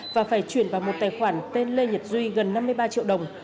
và phải chuyển vào một tài khoản tên lê nhật duy gần năm mươi ba triệu đồng